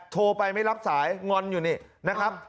โทรไปไม่รับสายงอนอยู่นี่นะครับ